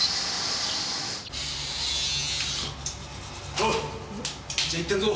おうじゃ行ってるぞ。